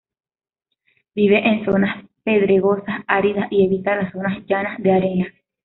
Vive en zonas pedregosas áridas, y evita las zonas llanas de arena.